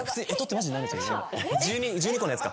１２個のやつか。